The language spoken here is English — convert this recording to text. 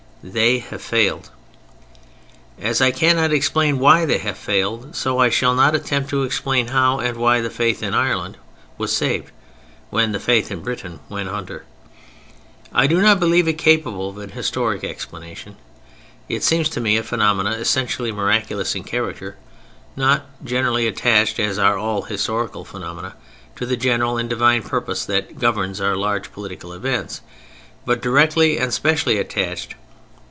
They have failed. As I cannot explain why they have failed, so I shall not attempt to explain how and why the Faith in Ireland was saved when the Faith in Britain went under. I do not believe it capable of an historic explanation. It seems to me a phenomenon essentially miraculous in character, not generally attached (as are all historical phenomena) to the general and divine purpose that governs our large political events, but directly and specially attached.